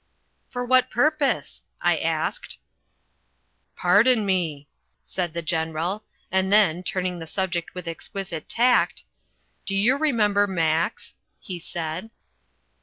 "For what purpose?" I asked. "Pardon me!" said the General, and then, turning the subject with exquisite tact: "Do you remember Max?" he said.